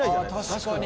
確かに！